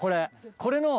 これの。